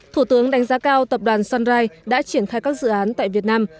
thủ tướng đánh giá cao tập đoàn sunride đã triển khai các dự án tại việt nam